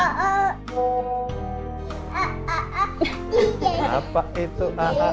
oh apa itu